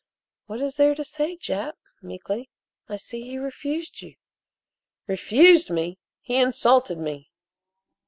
"What is there to say, Jap?" meekly. "I see he refused you." "Refused me? He insulted me!"